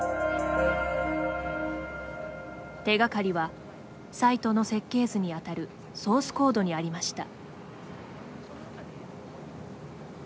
手がかりはサイトの設計図に当たるソースコードにありました。